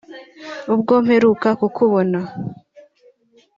“Ubwo mperuka kukubona